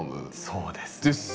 そうです。